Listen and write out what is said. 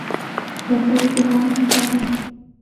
رسۍ د پوهانو مثال هم کېږي.